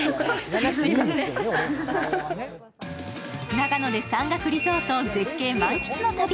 長野で山岳リゾート絶景満喫の旅。